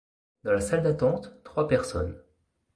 Dans la salle d'attente trois personnes.